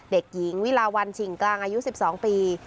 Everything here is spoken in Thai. เด็กหญิงวิลาวันฉิ่งกลางอายุ๑๒ปี